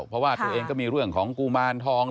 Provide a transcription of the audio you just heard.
เพราะว่าตัวเองก็มีเรื่องของกุมารทอง